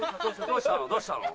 どうしたの？